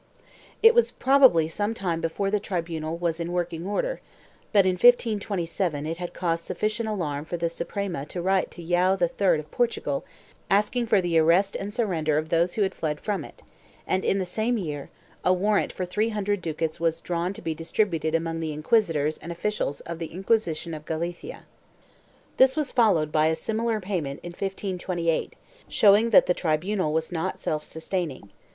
It was prob ably some time before the tribunal was in working order but in 1527 it had caused sufficient alarm for the Suprema to write to JoSo III of Portugal asking for the arrest and surrender of those who had fled from it and, in the same year, a warrant for three hundred ducats was drawn to be distributed among the inquisitors and officials of the Inquisition of Galicia. This was followed by a similar payment in 1528, showing that the tribunal was not self sustaining.